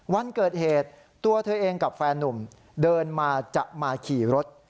วันเกิดเหตุตัวเธอเองกับแฟนนุ่มเดินมาจะมาขี่รถ